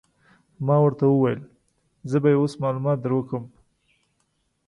ما ورته وویل: زه به يې اوس معلومات در وکړم.